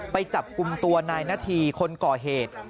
ไปจับกลุ่มตัวนายนาธีคนก่อเหตุ